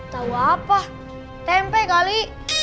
tahu apa tempe kali